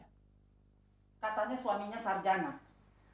katanya suaminya sarjana